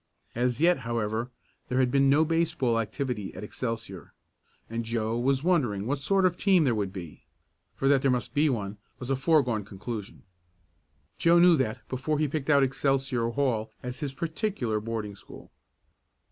As yet, however, there had been no baseball activity at Excelsior, and Joe was wondering what sort of team there would be, for that there must be one was a foregone conclusion. Joe knew that before he picked out Excelsior Hall as his particular boarding school.